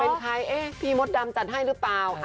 เป็นใครเอ๊ะพี่มดดำจัดให้หรือเปล่า